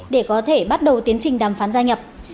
để có thể bắt đầu tiến trình đàm phán gia nhập